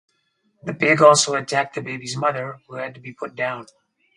The pig also attacked the baby's mother who had to be put down.